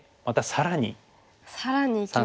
更にいきますか。